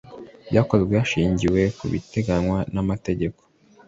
Byakozwe hashingiwe ku biteganywa n’amategeko